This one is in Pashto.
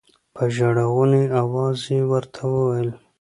په ژړا غوني اواز يې ورته وويل.